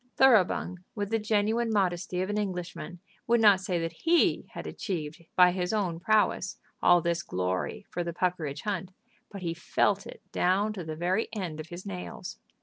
Thoroughbung, with the genuine modesty of an Englishman, would not say that he had achieved by his own prowess all this glory for the Puckeridge Hunt, but he felt it down to the very end of his nails.